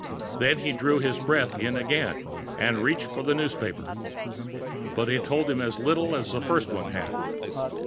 Then he drew his breath in again, and reached for the newspaper. But it told him as little as the first one had.